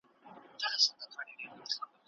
د هېواد په ټولو برخو کې فساد خپور شوی و.